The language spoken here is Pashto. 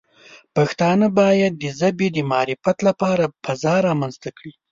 پښتانه باید د ژبې د معرفت لپاره فضا رامنځته کړي.